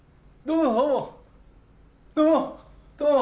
どうも！